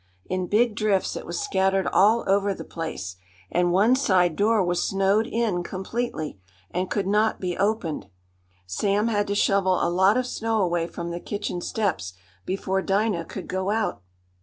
In big drifts it was scattered all over the place, and one side door was snowed in completely; and could not be opened. Sam had to shovel a lot of snow away from the kitchen steps before Dinah could go out.